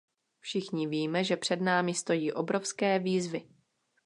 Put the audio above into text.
Všichni víme, že před námi stojí obrovské výzvy.